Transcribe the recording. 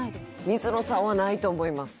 水野さんはないと思います